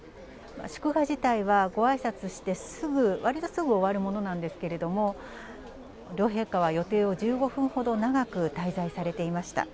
祝賀自体は、ごあいさつしてすぐ、わりとすぐ終わるものなんですけれども、両陛下は予定を１５分ほど長く滞在されていました。